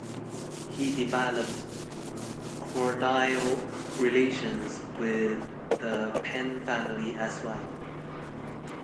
He developed cordial relations with the Penn family as well.